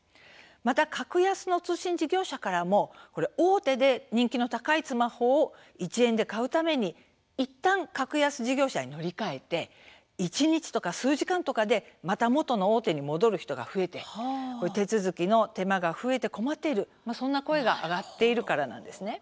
また格安の通信事業者からも大手で人気の高いスマホを１円で買うためにいったん格安事業者に乗り換えて一日とか数時間とかでまた元の大手に戻る人が増えて手続きの手間が増えて困っているそんな声が上がっているからなんです。